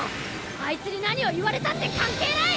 アイツに何を言われたって関係ない！